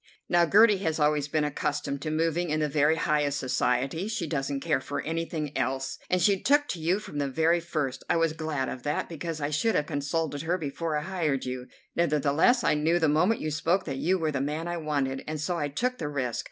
Now Gertie has always been accustomed to moving in the very highest society. She doesn't care for anything else, and she took to you from the very first. I was glad of that, because I should have consulted her before I hired you. Nevertheless, I knew the moment you spoke that you were the man I wanted, and so I took the risk.